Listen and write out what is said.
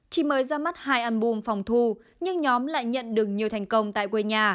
chỉ mới ra mắt hai album phòng thu nhưng nhóm lại nhận được nhiều thành công tại quê nhà